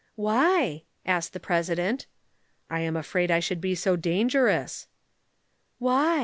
"Why?" asked the President. "I am afraid I should be so dangerous." "Why?"